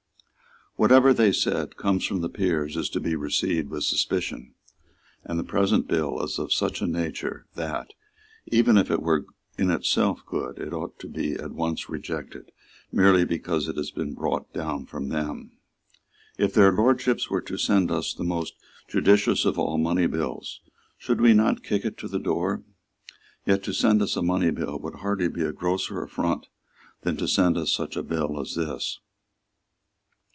Whatever, they said, comes from the Peers is to be received with suspicion; and the present bill is of such a nature that, even if it were in itself good, it ought to be at once rejected merely because it has been brought down from them. If their Lordships were to send us the most judicious of all money bills, should we not kick it to the door? Yet to send us a money bill would hardly be a grosser affront than to send us such a bill as this.